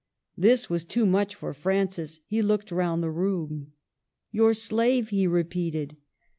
" This was too much for Francis. He looked round the room. " Your slave !" he repeated.